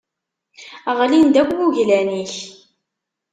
Ɣlin-d akk wuglan-ik.